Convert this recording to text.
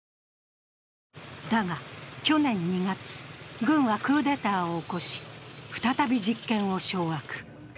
だが去年２月、軍はクーデターを起こし、再び実権を掌握。